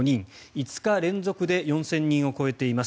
５日連続で４０００人を超えています。